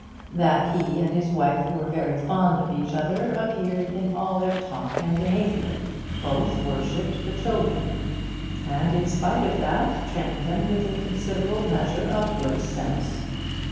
That he and his wife were very fond of each other appeared in all their talk and behaviour; both worshipped the children, and, in spite of that, trained them with a considerable measure of good sense.